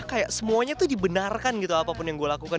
kayak semuanya tuh dibenarkan gitu apapun yang gue lakukan